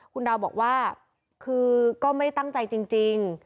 คุณดาวบอกว่าคือก็ไม่ได้ตั้งใจจริง